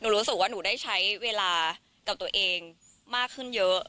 รู้สึกว่าหนูได้ใช้เวลากับตัวเองมากขึ้นเยอะ